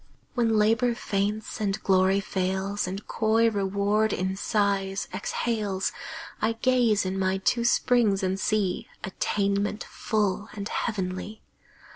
When Labor faints, and Glory fails, And coy Reward in sighs exhales, I gaze in my two springs and see Attainment full and heavenly.